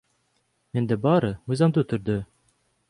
Менде баары мыйзамдуу түрдө.